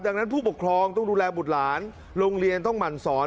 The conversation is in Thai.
ดังนั้นผู้ปกครองต้องดูแลบุตรหลานโรงเรียนต้องหมั่นสอน